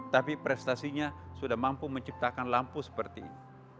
tapi prestasinya sudah mampu menciptakan lampu seperti ini